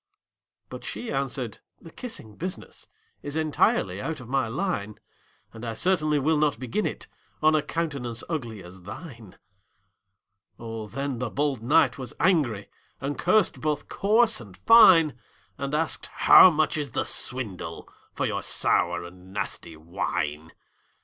But she answered, "The kissing business Is entirely out of my line; And I certainly will not begin it On a countenance ugly as thine!" Oh, then the bold knight was angry, And cursed both coarse and fine; And asked, "How much is the swindle For your sour and nasty wine?"